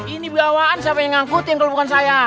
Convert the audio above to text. ini bawaan siapa yang ngangkutin kalau bukan saya